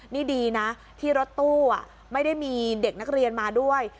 นี่ดีนะที่รถตู้ไม่ได้มีเด็กนักเรียนมาด้วย